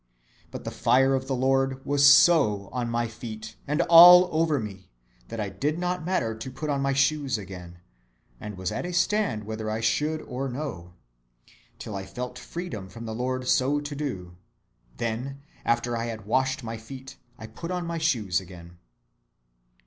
But the fire of the Lord was so on my feet, and all over me, that I did not matter to put on my shoes again, and was at a stand whether I should or no, till I felt freedom from the Lord so to do: then, after I had washed my feet, I put on my shoes again.